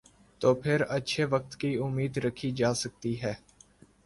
، تو پھر کس اچھے وقت کی امید رکھی جا سکتی ہے ۔